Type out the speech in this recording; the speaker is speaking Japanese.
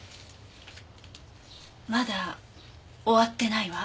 まだ終わってないわ。